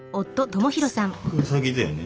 これウサギだよね